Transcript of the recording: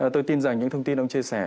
tôi tin rằng những thông tin ông chia sẻ